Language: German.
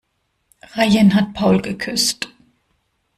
Rayen hat Paul geküsst.